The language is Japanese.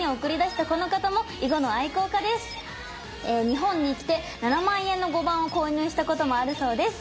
日本に来て７万円の碁盤を購入したこともあるそうです。